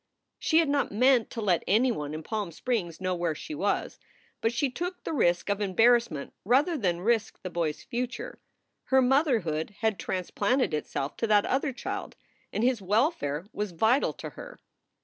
She had not meant to let anyone in Palm Springs know where she was, but she took the risk of embarrassment rather than risk the boy s future. Her motherhood had transplanted itself to that other child, and his welfare was vital to her.